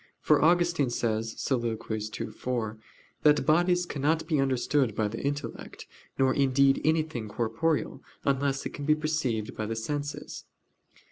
For Augustine says (Soliloq. ii, 4) that "bodies cannot be understood by the intellect; nor indeed anything corporeal unless it can be perceived by the senses."